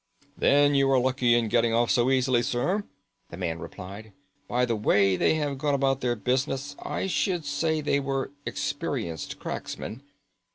"Then you're lucky in getting off so easily, sir," the man replied. "By the way they have gone about their business, I should say they were experienced cracksmen.